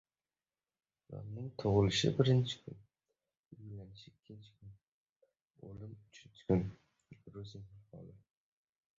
Odamning tug‘ilishi — birinchi kun, uylanishi — ikkinchi kun, o‘lim — uchinchi kun. Gruzin maqoli